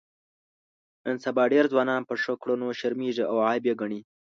نن سبا ډېر ځوانان په ښو کړنو شرمېږي او عیب یې ګڼي.